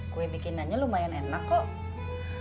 kue bikinannya lumayan enak kok